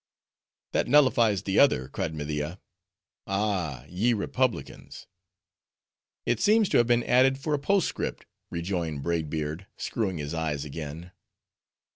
"That nullifies the other," cried Media. "Ah, ye republicans!" "It seems to have been added for a postscript," rejoined Braid Beard, screwing his eyes again.